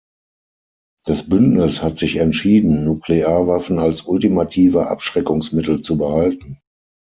Das Bündnis hat sich entschieden, Nuklearwaffen als ultimative Abschreckungsmittel zu behalten.